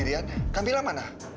tau nggak sih hé